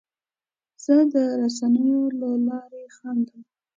زه د رسنیو له لارې خندم.